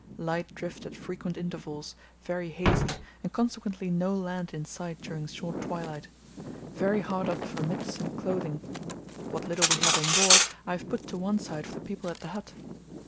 Light drift at frequent intervals, very hazy, and consequently no land in sight during short twilight. Very hard up for mitts and clothing. What little we have on board I have put to one side for the people at the hut.